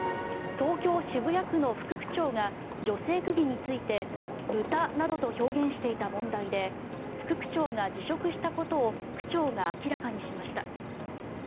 東京・渋谷区の副区長が女性区議について豚などと表現していた問題で副区長が辞職したことを区長が明らかにしました。